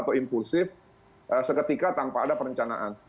atau impulsif seketika tanpa ada perencanaan